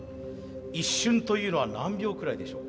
一瞬というのは何秒くらいでしょう？